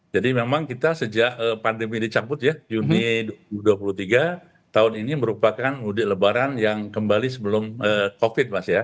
jadi memang kita sejak pandemi dicamput ya juni dua ribu dua puluh tiga tahun ini merupakan mudik lebaran yang kembali sebelum covid mas ya